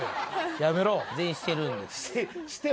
やめろ全員してるんですよ